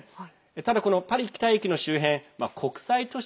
ただ、このパリ北駅の周辺国際都市